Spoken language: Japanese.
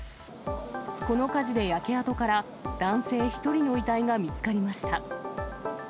この火事で焼け跡から男性１人の遺体が見つかりました。